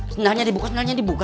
senangnya dibuka senangnya dibuka